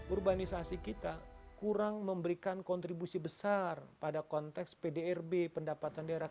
urbanisasi kita kurang memberikan kontribusi besar pada konteks pdrb pendapatan daerah